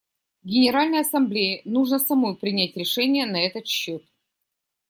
Генеральной Ассамблее нужно самой принять решение на этот счет.